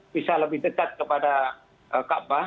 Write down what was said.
bisa lebih dekat kepada kaabah